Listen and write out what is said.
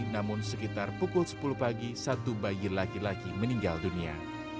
namun sekitar pukul sepuluh pagi satu bayi laki laki meninggal dunia